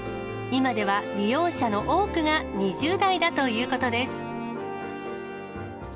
今では利用者の多くが２０代だということです。